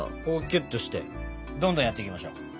こうキュッとしてどんどんやっていきましょう。